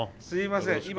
すみません